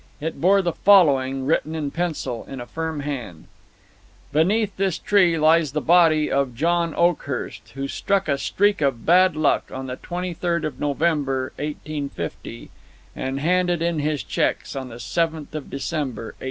It bore the following, written in pencil, in a firm hand: BENEATH THIS TREE LIES THE BODY OF JOHN OAKHURST, WHO STRUCK A STREAK OF BAD LUCK ON THE 23D OF NOVEMBER, 1850, AND HANDED IN HIS CHECKS ON THE 7TH DECEMBER, 1850.